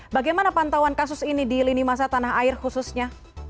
bagaimana pantauan kasus ini di lini masa tanah air khususnya